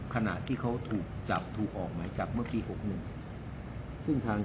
ขณะที่เขาถูกจับถูกออกมาจากเมื่อปีหกหนึ่งซึ่งทาง